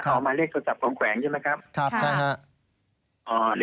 เอาหมายเลขตระจับฝนแขวงใช่ไหมครับ